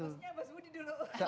harusnya mbak budi dulu